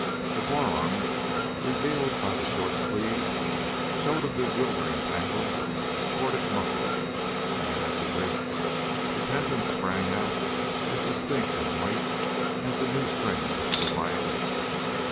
The forearms, revealed by the short sleeves, showed a bewildering tangle of corded muscle, and, at the wrists, the tendons sprang out as distinct and white as the new strings of a violin.